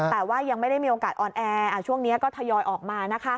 แต่ว่ายังไม่ได้มีโอกาสออนแอร์ช่วงนี้ก็ทยอยออกมา